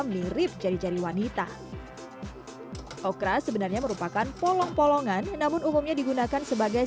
mirip jari jari wanita okra sebenarnya merupakan polong polongan namun umumnya digunakan sebagai